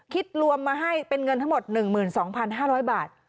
คิดรวมมาให้เป็นเงินทั้งหมด๑๒๕๐๐บาท